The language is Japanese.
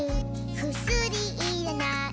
「くすりいらない」